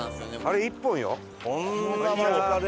あれ一本よ。